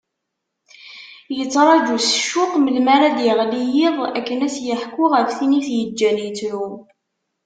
Yettraǧu s ccuq melmi ara d-yeɣli yiḍ akken ad as-yeḥku ɣef tin i t-yeǧǧan yettru.